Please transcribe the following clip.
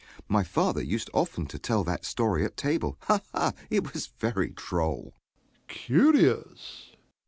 My father used often to tell that story at table. Ha, ha! It was very droll! DOMINIE. Curious! JOHN S.